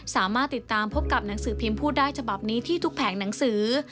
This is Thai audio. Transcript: สามารถติดตามพบกับหนังสือพิมพ์พูดได้ฉบับนี้ที่ทุกแผงหนังสือ